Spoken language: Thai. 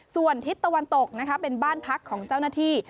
ส่วนทิศตะวันตกนะคะเป็นบ้านพักของเจ้าหน้าที่